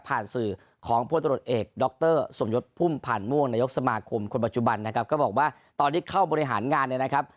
สื่อของพลตรวจเอกดรสมยศพุ่มพันธ์ม่วงนายกสมาคมคนปัจจุบันนะครับก็บอกว่าตอนที่เข้าบริหารงานเนี่ยนะครับ